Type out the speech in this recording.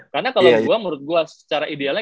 karena kalo gue menurut gue secara idealnya